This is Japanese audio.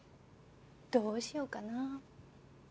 どうしようかな。